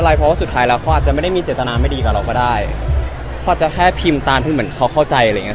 เพราะว่าสุดท้ายแล้วเขาอาจจะไม่ได้มีเจตนาไม่ดีกับเราก็ได้เขาอาจจะแค่พิมพ์ตามที่เหมือนเขาเข้าใจอะไรอย่างเง